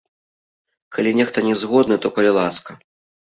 Калі нехта не згодны, то, калі ласка.